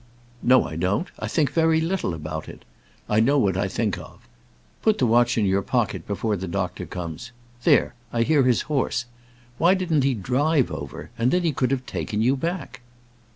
"No, I don't; I think very little about it. I know what I think of. Put the watch in your pocket before the doctor comes. There; I hear his horse. Why didn't he drive over, and then he could have taken you back?"